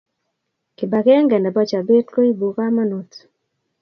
Kibakeng nebo chabet koibu kamanut